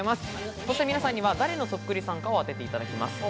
皆さんには誰のそっくりさんかを当てていただきます。